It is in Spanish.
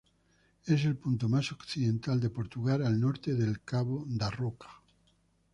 Es el punto más occidental de Portugal al norte del cabo da Roca.